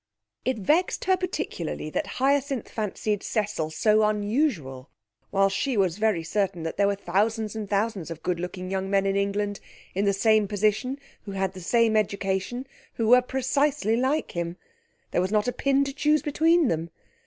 It vexed her particularly that Hyacinth fancied Cecil so unusual, while she was very certain that there were thousands and thousands of good looking young men in England in the same position who had the same education, who were precisely like him. There was not a pin to choose between them.